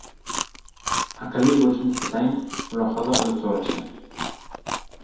Aqlli bo‘lishni istasang, mulohaza qilib so‘rashni